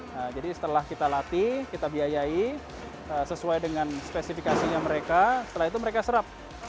nah jadi setelah kita latih kita biayai sesuai dengan spesifikasinya mereka setelah itu mereka serap